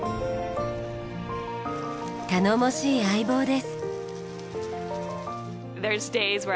頼もしい相棒です。